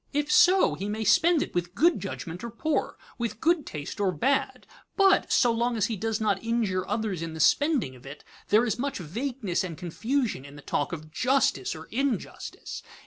If so, he may spend it with good judgment or poor, with good taste or bad, but, so long as he does not injure others in the spending of it, there is much vagueness and confusion in the talk of "justice" or "injustice."